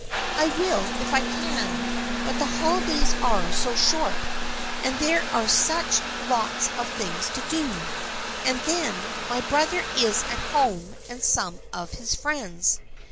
" I will if I can, but the holidays are so short, and there are such lots of things to do, and then my brother is at home and some of his friends.